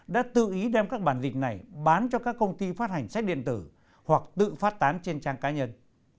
đã tự ý đem các bản dịch này bán cho các công ty phát hành sách điện tử hoặc tự phát tán trên trang cá nhân